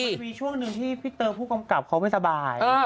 จะมีช่วงหนึ่งที่พี่เตอร์ผู้กำกับเขาไม่สบาย